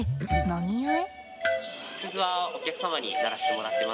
何故？